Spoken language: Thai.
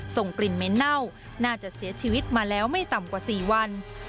ส่งกลิ่นเหม็นเน่าน่าจะเสียชีวิตมาแล้วไม่ต่ำกว่า๔วัน